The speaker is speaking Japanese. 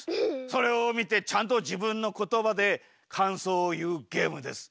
それをみてちゃんとじぶんの言葉でかんそうを言うゲームです。